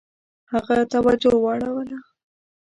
هغه توجه واړوله.